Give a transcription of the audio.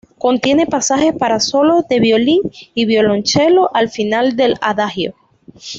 Contiene pasajes para solos de violín y violonchelo al final del adagio.